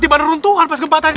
ditipan runtuhan pas gempa tadi